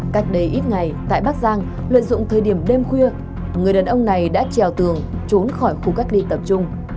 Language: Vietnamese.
cách đây ít ngày tại bắc giang lợi dụng thời điểm đêm khuya người đàn ông này đã trèo tường trốn khỏi khu cách ly tập trung